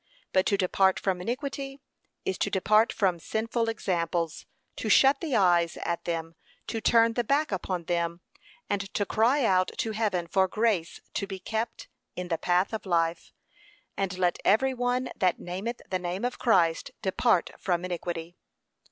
But to depart from iniquity is to depart from sinful examples, to shut the eyes at them, to turn the back upon them, and to cry out to heaven for grace to be kept in the path of life. And, 'Let every one that nameth the name of Christ depart from iniquity.'